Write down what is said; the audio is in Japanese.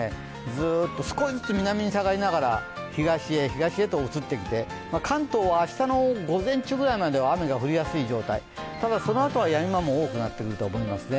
ずっと、少しずつ南に下がりながら東へ東へと移ってきて関東は明日の午前中ぐらいまでは雨が降りやすい状態、ただ、そのあとはやみ間も多くなってくると思いますね。